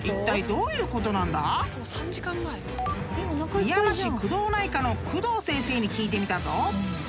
［みやま市工藤内科の工藤先生に聞いてみたぞ］